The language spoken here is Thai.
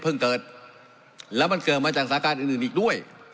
เพิ่งเกิดแล้วมันเกิดมาจากสถานการณ์อื่นอื่นอีกด้วย